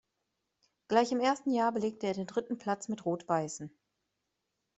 Gleich im ersten Jahr belegte er den dritten Platz mit Rot-Weißen.